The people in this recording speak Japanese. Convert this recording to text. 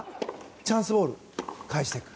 チャンスボールを返していく。